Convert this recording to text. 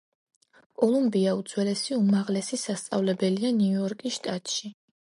კოლუმბია უძველესი უმაღლესი სასწავლებელია ნიუ-იორკის შტატში.